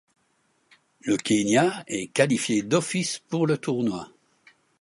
Le Kenya est qualifié d'office pour le tournoi.